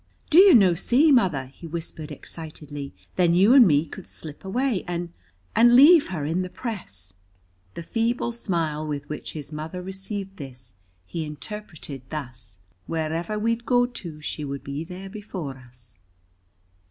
"Do you no see, mother?" he whispered excitedly. "Then you and me could slip away, and and leave her in the press." The feeble smile with which his mother received this he interpreted thus, "Wherever we go'd to she would be there before us."